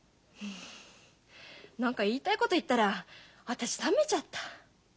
何か言いたいこと言ったら私冷めちゃった。